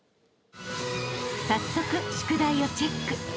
［早速宿題をチェック。